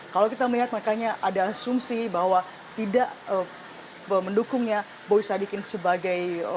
kalau kita melihat makanya ada asumsi bahwa tidak mendukungnya boy sadikin sebagai